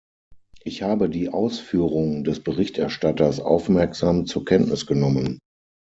Ich habe die Ausführung des Berichterstatters aufmerksam zur Kenntnis genommen.